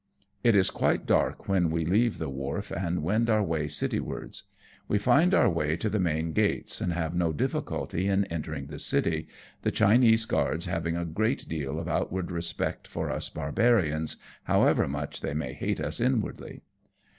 It is quite dark when we leave the wharf and wend our way citywards. We iind our way to the main gates, and have no difficulty in entering the city, the Chinese guards having a great deal of outward respect for us Barbarians, however much they may hate us inwardly.